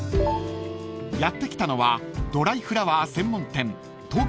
［やって来たのはドライフラワー専門店］